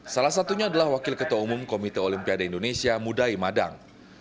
salah satunya adalah wakil ketua umum komite olimpiade indonesia mudai madang